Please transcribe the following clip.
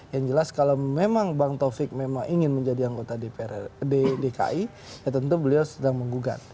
yang jelas kalau memang bang taufik memang ingin menjadi anggota dprd dki ya tentu beliau sedang menggugat